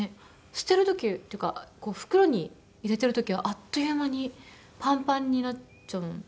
捨てる時っていうか袋に入れてる時はあっという間にパンパンになっちゃう。